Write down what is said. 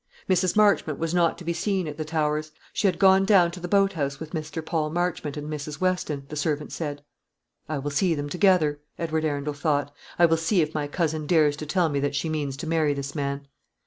Mrs. Marchmont was not to be seen at the Towers. She had gone down to the boat house with Mr. Paul Marchmont and Mrs. Weston, the servant said. "I will see them together," Edward Arundel thought. "I will see if my cousin dares to tell me that she means to marry this man."